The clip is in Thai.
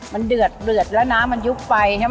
มันเดือดเดือดแล้วน้ำมันยุบไปใช่ไหม